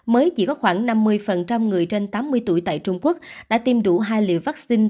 mới chỉ có khoảng năm mươi người trên tám mươi tuổi tại trung quốc đã tiêm đủ hai liều vaccine